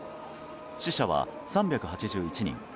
死者は３８１人。